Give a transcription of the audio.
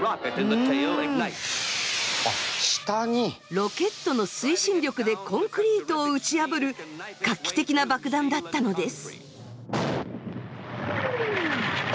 ロケットの推進力でコンクリートを打ち破る画期的な爆弾だったのです。